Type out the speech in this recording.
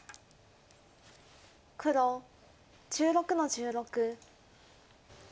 黒１６の十六。